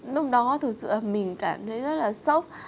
lúc đó thực sự mình cảm thấy rất là sốc